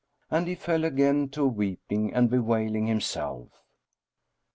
And he fell again to weeping and bewailing himself.